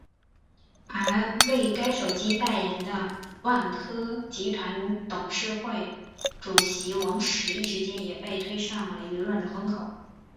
而为该手机代言的万科集团董事会主席王石一时间也被推上了舆论的风口。